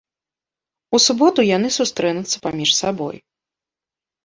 У суботу яны сустрэнуцца паміж сабой.